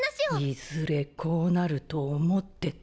いずれこうなると思ってた。